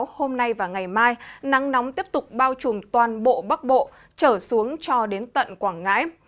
hôm nay và ngày mai nắng nóng tiếp tục bao trùm toàn bộ bắc bộ trở xuống cho đến tận quảng ngãi